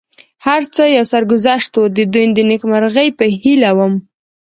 هر څه یو سرګذشت و، د دوی د نېکمرغۍ په هیله ووم.